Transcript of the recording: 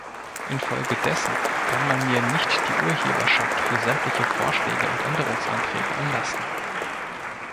Infolgedessen kann man mir nicht die Urheberschaft für sämtliche Vorschläge und Änderungsanträge anlasten.